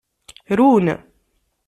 Run.